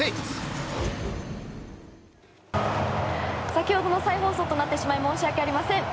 先ほどの再放送となってしまい申し訳ありません。